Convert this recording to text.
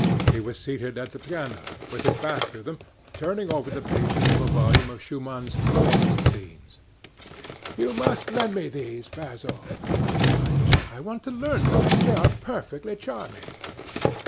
He was seated at the piano, with his back to them, turning over the pages of a volume of Schumann's "Forest Scenes." "You must lend me these, Basil," he cried. "I want to learn them. They are perfectly charming."